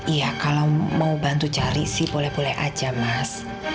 iya kalau mau bantu cari sih boleh boleh aja mas